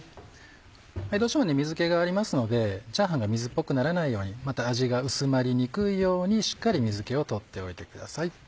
どうしても水気がありますのでチャーハンが水っぽくならないようにまた味が薄まりにくいようにしっかり水気を取っておいてください。